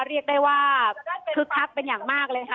เรียกได้ว่าคึกคักเป็นอย่างมากเลยค่ะ